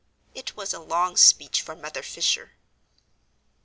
It was a long speech for Mother Fisher.